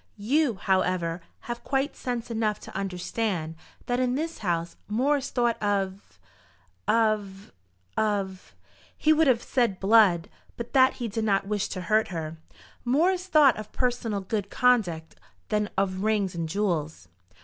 You, however, have quite sense enough to understand, that in this house more is thought of of of " he would have said blood, but that he did not wish to hurt her, "more is thought of personal good conduct than of rings and jewels."